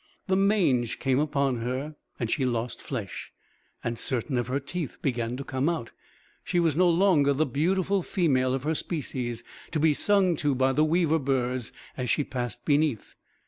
The mange came upon her, and she lost flesh, and certain of her teeth began to come out. She was no longer the beautiful female of her species, to be sung to by the weaver birds as she passed beneath.